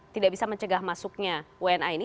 tidak bisa mencegah masuknya wna ini